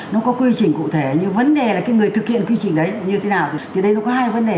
nó có quy trình cụ thể nhưng vấn đề là cái người thực hiện quy trình đấy như thế nào thì đây nó có hai vấn đề